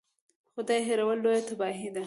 خدای هېرول لویه تباهي ده.